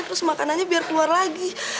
terus makanannya biar keluar lagi